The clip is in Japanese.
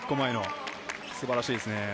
素晴らしいですね。